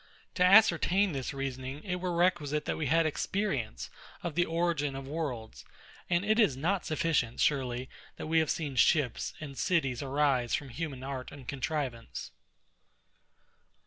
To ascertain this reasoning, it were requisite that we had experience of the origin of worlds; and it is not sufficient, surely, that we have seen ships and cities arise from human art and contrivance...